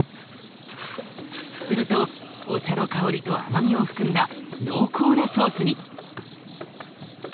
するとお茶の香りと甘みを含んだ濃厚なソースに。